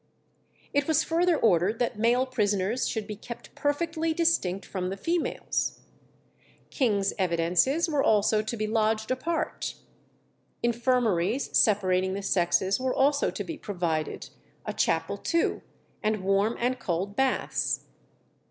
It was further ordered that male prisoners should be kept perfectly distinct from the females. King's evidences were also to be lodged apart. Infirmaries separating the sexes were also to be provided, a chapel too, and warm and cold baths.